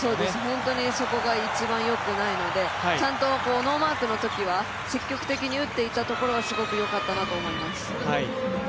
本当にそこが一番よくないのでちゃんとノーマークのときは積極的に打っていたところがすごくよかったなと思います。